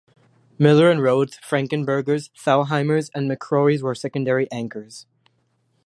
Miller and Rhoads, Frankenberger's, Thalhimer's and McCrory's were secondary anchors.